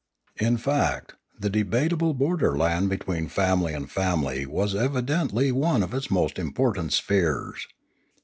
In fact, the debatable borderland between family and family was evidently one of its most important spheres.